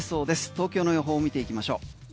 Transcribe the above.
東京の予報を見ていきましょう。